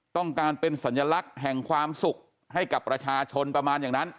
ต้องการเป็นสัญลักษณ์แห่งความสุขให้กับประชาชนประมาณอย่างนั้น